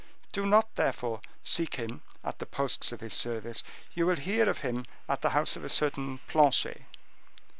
Do not, therefore, seek him at the posts of his service. You will hear of him at the house of a certain Planchet."